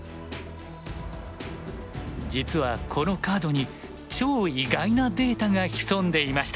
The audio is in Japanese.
実はこのカードに超意外なデータが潜んでいました。